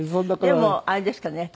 でもあれですかね。